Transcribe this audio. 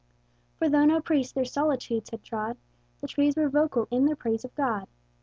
For though no priest their solitudes had trod, The trees were vocal in their praise of God.